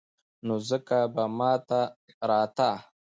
نو ځکه به ما ته راته.